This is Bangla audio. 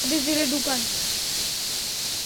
তাদের জেলে ডুকান।